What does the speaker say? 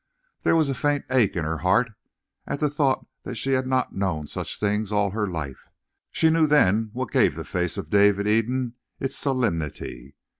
There was a faint ache in her heart at the thought that she had not known such things all her life. She knew then what gave the face of David of Eden its solemnity.